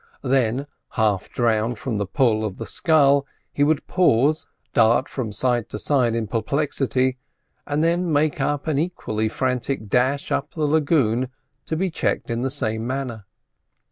Then, half drowned with the pull of the scull, he would pause, dart from side to side in perplexity, and then make an equally frantic dash up the lagoon, to be checked in the same manner.